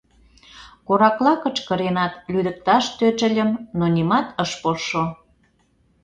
Коракла кычкыренат лӱдыкташ тӧчыльым, но нимат ыш полшо.